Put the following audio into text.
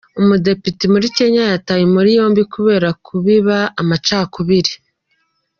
Umudepite muri Kenya yatawe muri yombi kubera kubiba amacakubiri